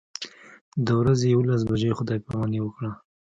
د ورځې یوولس بجې خدای پاماني وکړه.